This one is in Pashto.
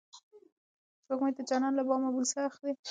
سپوږمۍ د جانان له بامه بوسه اخلي.